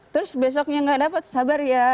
terus besoknya nggak dapat sabar ya